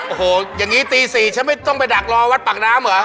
โอ้โหอย่างนี้ตี๔ฉันไม่ต้องไปดักรอวัดปากน้ำเหรอ